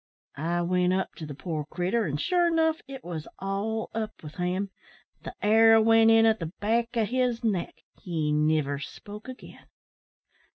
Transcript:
"I went up to the poor critter, and sure enough it wos all up with him. The arrow went in at the back o' his neck. He niver spoke again.